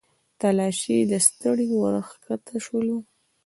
تلاشۍ ته ستړي ورښکته شولو.